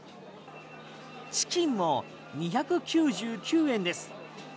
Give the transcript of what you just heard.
チキンも２９９円です。